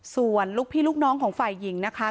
ส่วนลูกพี่ลูกน้องของฝ่ายหญิงนะคะ